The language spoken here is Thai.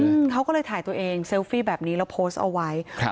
อืมเขาก็เลยถ่ายตัวเองเซลฟี่แบบนี้แล้วโพสต์เอาไว้ครับ